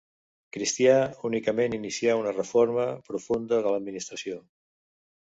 Cristià únicament inicià una reforma profunda de l'Administració.